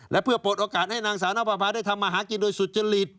และเพื่อเปิดโอกาสให้นางสาวนภาได้ทำมาหากินโดยสุจริต